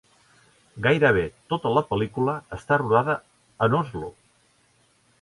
Gairebé tota la pel·lícula està rodada en Oslo.